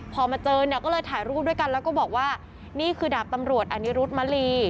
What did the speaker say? พอมาเจอเนี่ยก็เลยถ่ายรูปด้วยกันแล้วก็บอกว่านี่คือดาบตำรวจอนิรุธมลี